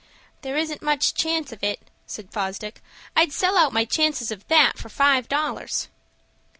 "There isn't much chance of it," said Fosdick. "I'd sell out my chances of that for five dollars."